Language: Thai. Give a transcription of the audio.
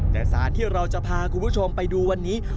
แต่สารที่เราจะพาคุณผู้ชมไปดูวันนี้